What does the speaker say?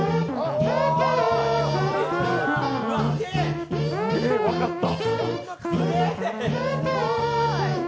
すげえ、分かった！